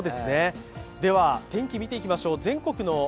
では天気、見ていきましょう。